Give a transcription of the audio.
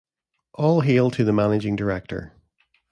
All hail to the managing director!